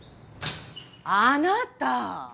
あなた！